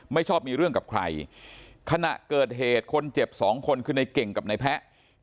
ไม่ชอบมีเรื่องกับใครขณะเกิดเหตุคนเจ็บ๒คนคือในเก่งกับนายแพะ